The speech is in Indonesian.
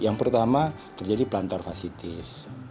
yang pertama terjadi plantar fasitis